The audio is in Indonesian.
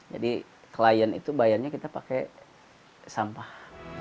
jadi klien itu bayarnya kita pakai sampah